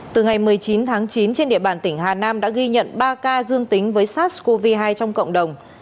từ ngày một mươi chín tháng chín trên địa bàn tỉnh hà nam đã ghi nhận ba ca dương tính với sars cov hai trong cộng đồng